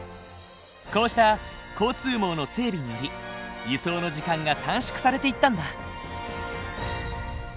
こうした交通網の整備により輸送の時間が短縮されていったんだ。